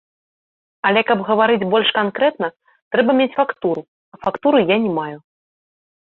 Але каб гаварыць больш канкрэтна, трэба мець фактуру, а фактуры я не маю.